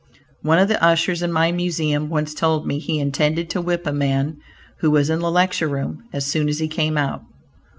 One of the ushers in my Museum once told me he intended to whip a man who was in the lecture room as soon as he came out.